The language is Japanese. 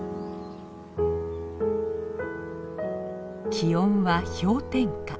気温は氷点下。